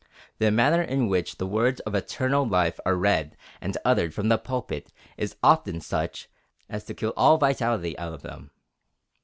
The manner in which the words of eternal life are read and uttered from the pulpit is often such as to kill all vitality out of them.